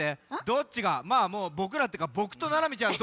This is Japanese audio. どっちがまあもうぼくらっていうかぼくとななみちゃん